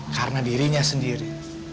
karena dirinya sendiri